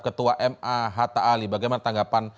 ketua ma hatta ali bagaimana tanggapan